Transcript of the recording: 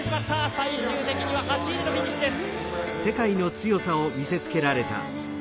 最終的には８位でのフィニッシュです。